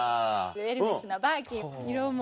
エルメスのバーキン色も。